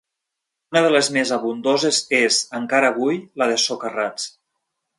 Una de les més abundoses és, encara avui, la de Socarrats.